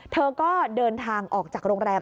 เธอก็เดินทางออกจากโรงแรม